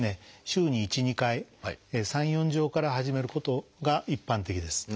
週に１２回３４錠から始めることが一般的です。